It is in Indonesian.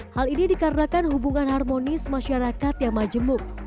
hal ini dikarenakan hubungan harmonis masyarakat yang majemuk